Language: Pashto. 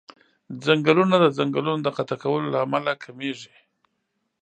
ځنګلونه د ځنګلونو د قطع کولو له امله کميږي.